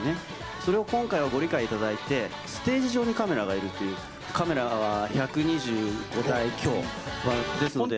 それを今回はご理解いただいて、ステージ上にカメラがいるっていう、カメラが１２５台強ですので。